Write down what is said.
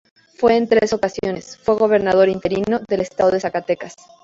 Fue en tres ocasiones fue gobernador interino del Estado de Zacatecas.